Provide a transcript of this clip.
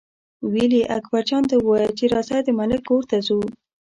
ویل یې اکبرجان ته ووایه چې راځه د ملک کور ته ځو.